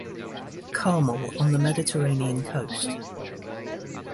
Carmel on the Mediterranean coast.